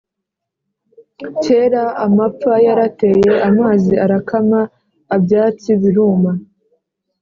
Kera amapfa yarateye, amazi arakama abyatsi biruma